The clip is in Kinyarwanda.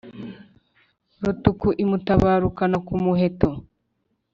rutuku imutabarukana ku muheto.